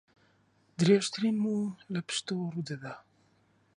درێژترین موو لە پشتەوە ڕوو دەدات